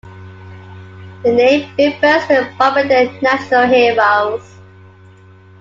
The name refers to the Barbadian National Heroes.